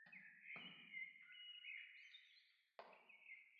nguvu pamoja na harufu ya kuni Hapo awali